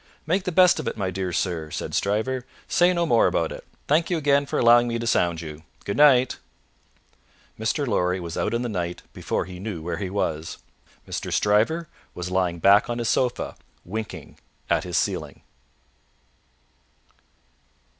"Make the best of it, my dear sir," said Stryver; "say no more about it; thank you again for allowing me to sound you; good night!" Mr. Lorry was out in the night, before he knew where he was. Mr. Stryver was lying back on his sofa, winking at his ceiling.